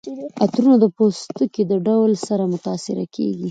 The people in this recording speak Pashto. عطرونه د پوستکي د ډول سره متاثره کیږي.